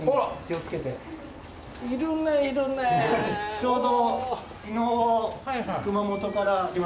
ちょうど。